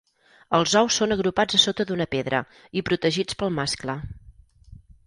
Els ous són agrupats a sota d'una pedra i protegits pel mascle.